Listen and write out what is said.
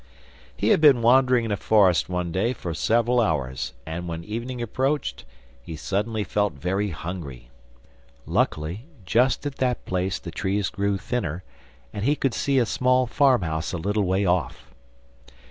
He had been wandering in a forest one day for several hours, and when evening approached, he suddenly felt very hungry. Luckily, just at that place the trees grew thinner, and he could see a small farmhouse a little way off.